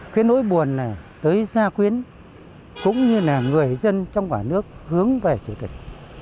cái nỗi buồn này tới gia khuyến cũng như là người dân trong quả nước hướng về chủ tịch